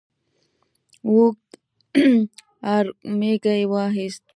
اوږد ارږمی يې وايست،